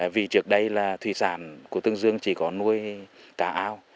vì trước đây là thủy sản của tương dương chỉ có nuôi cá ao